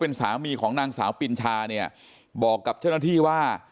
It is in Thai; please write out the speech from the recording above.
เป็นสามีของนางสาวปินชาเนี่ยบอกกับเจ้าหน้าที่ว่า